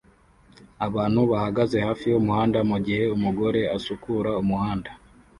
Abantu bahagaze hafi yumuhanda mugihe umugore asukura umuhanda